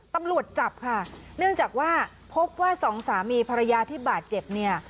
ตำรวจจับค่ะเนื่องจากว่าพบว่าสองสามีภรรยาที่บาดเจ็บเนี่ย